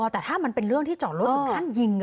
แต่ถ้ามันเป็นเรื่องที่จอดรถถึงขั้นยิง